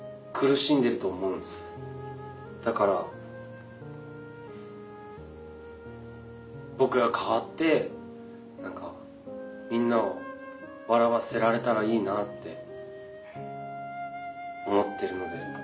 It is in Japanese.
だから僕が代わってみんなを笑わせられたらいいなって思ってるので。